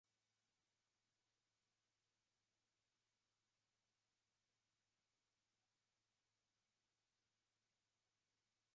Algeria moja kwa moja Numidia na Mauretania zilikuwa